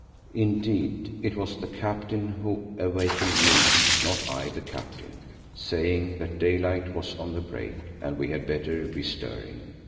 Indeed, it was the Captain who awakened me, not I the Captain, saying that daylight was on the break and we had better be stirring.